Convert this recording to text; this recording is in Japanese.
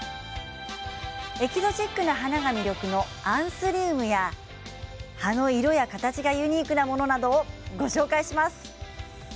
エキゾチックな花が魅力のアンスリウムや葉の色や形がユニークなものなどをご紹介します。